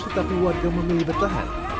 tetapi warga memilih bertahan